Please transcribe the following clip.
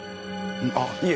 あっいえ